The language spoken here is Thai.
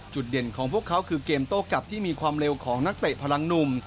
เด่นของพวกเขาคือเกมโต้กลับที่มีความเร็วของนักเตะพลังหนุ่ม